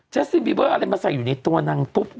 ซิมบีเบอร์อะไรมาใส่อยู่ในตัวนางปุ๊บ